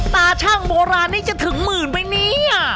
ตาช่างโบราณนี้จะถึงหมื่นไหมเนี่ย